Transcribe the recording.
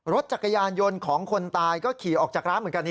รถจักรยานยนต์ของคนตายก็ขี่ออกจากร้านเหมือนกัน